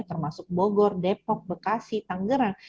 termasuk bogor depok bekasi tanggerang